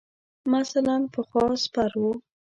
مثلاً پخوا سپر ؤ.